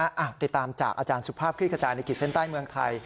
อาบติดตามจากอาจารย์สุภาพคลิกขจานิกฤทธิ์เซ็นต์ใต้เมืองไทย